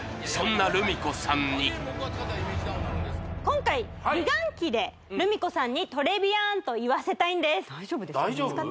そんなルミ子さんに今回美顔器でルミ子さんにトレビアンと言わせたいんです大丈夫？